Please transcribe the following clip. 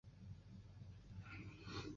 马尼昂。